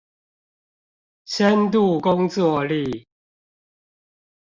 深度工作力